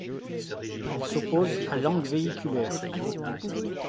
Elle s'oppose à langue véhiculaire.